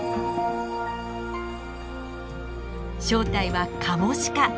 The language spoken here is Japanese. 正体はカモシカ。